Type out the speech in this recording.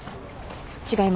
違います。